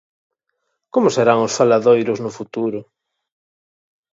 Como serán os faladoiros no futuro?